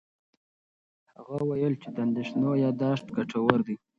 هغه وویل چې د اندېښنو یاداښت ګټور دی.